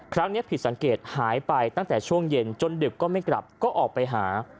ครั้งนี้ผิดสังเกตหายไปตั้งแต่ช่วงเย็นจนดึกก็ไม่กลับก็ออกไปหา